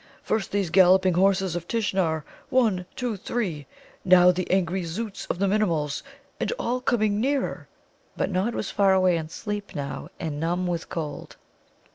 "First these galloping Horses of Tishnar, one, two, three; now the angry Zōōts of the Minimuls, and all coming nearer?" But Nod was far away in sleep now, and numb with cold.